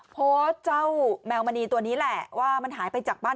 โพสต์เจ้าแมวมณีตัวนี้แหละว่ามันหายไปจากบ้าน